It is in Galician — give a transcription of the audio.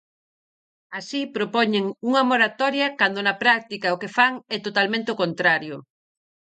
Así, propoñen unha moratoria cando na práctica o que fan é totalmente o contrario.